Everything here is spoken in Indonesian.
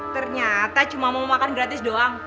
ternyata cuma mau makan gratis doang